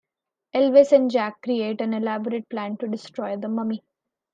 Elvis and Jack create an elaborate plan to destroy the mummy.